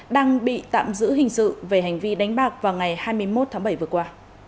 đang bị tạm giữ hình sự về hành vi đánh bạc vào ngày hai mươi một tháng bảy vừa qua